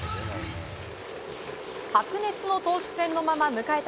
白熱の投手戦のまま迎えた